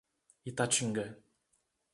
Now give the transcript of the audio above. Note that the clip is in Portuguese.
Itatinga